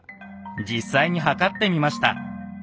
実際に測ってみました。